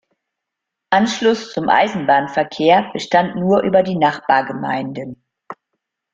Anschluss zum Eisenbahnverkehr bestand nur über die Nachbargemeinden.